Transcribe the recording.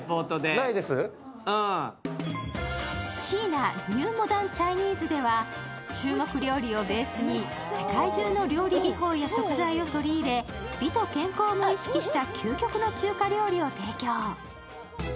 チーナ・ニュー・モダン・チャイニーズでは中国料理をベースに世界中の料理技法や食材を取り入れ美と健康を意識した究極の中華料理を提供。